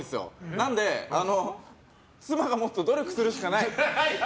なので、妻がもっと努力するしかない。